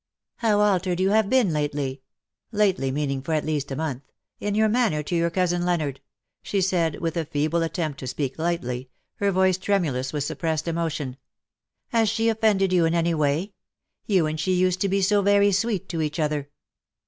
^^ How altered ' you have been lately''' — lately, meaning for at least a month — ^^in your manner to your cousin_, Leonard/'' she said, with a feeble attempt to speak lightly, her voice tremulous with suppressed emotion. " Has she offended you in any way ? You and she used to be so very sweet to each other.